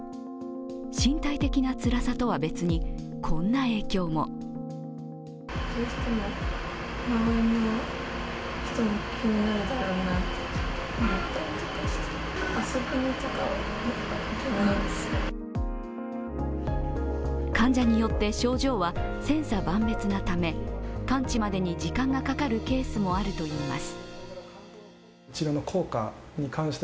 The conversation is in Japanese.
身体的なつらさとは別にこんな影響も患者によって症状は千差万別なため、完治までに時間がかかるケースもあるといいます。